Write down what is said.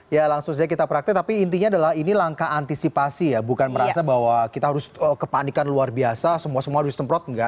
ya langsung saja kita praktek tapi intinya adalah ini langkah antisipasi ya bukan merasa bahwa kita harus kepanikan luar biasa semua semua harus disemprot enggak